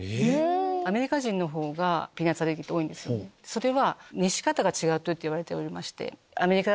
それは熱し方が違うといわれてまして。